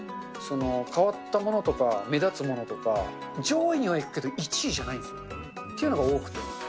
変わったものとか、目立つものとか、上位にはいくけど１位じゃないんですっていうのが多くて。